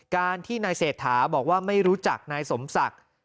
การที่นายเศรษฐาบอกว่าไม่รู้จักนายสมศักดิ์